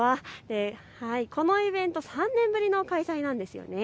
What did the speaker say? このイベント、３年ぶりの開催なんですよね。